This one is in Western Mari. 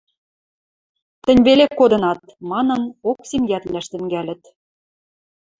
Тӹнь веле кодынат!.. — манын, Оксим йӓтлӓш тӹнгӓлӹт.